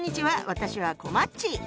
私はこまっち。